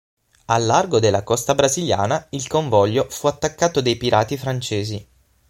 Al largo della costa brasiliana il convoglio fu attaccato dai pirati francesi.